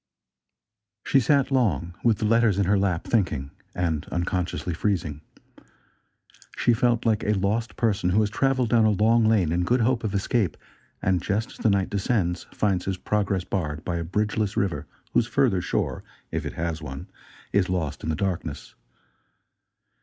She sat long, with the letters in her lap, thinking and unconsciously freezing. She felt like a lost person who has traveled down a long lane in good hope of escape, and, just as the night descends finds his progress barred by a bridge less river whose further shore, if it has one, is lost in the darkness.